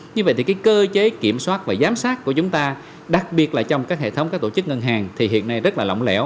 như vậy thì cái cơ chế kiểm soát và giám sát của chúng ta đặc biệt là trong các hệ thống các tổ chức ngân hàng thì hiện nay rất là lỏng lẻo